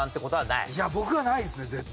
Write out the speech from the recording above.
いや僕はないですね絶対。